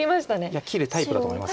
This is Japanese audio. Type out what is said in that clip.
いや切るタイプだと思います。